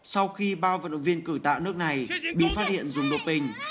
sau khi ba vận động viên cử tạ nước này bị phát hiện dùng đô pình